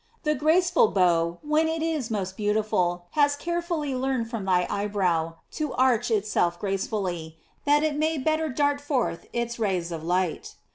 The graceful bow, when it is most beautiful, has carefully learned from thy eyebrow to arch itself gracefully, that it may better dart forth its rays of light.